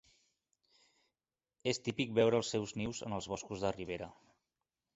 És típic veure els seus nius en els boscos de ribera.